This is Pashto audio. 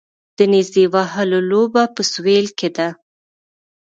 د نیزه وهلو لوبه په سویل کې ده